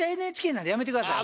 なんでやめてください。